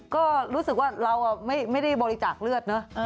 ก็รู้สึกว่าเราไม่ได้บริจาคเลือดเนอะ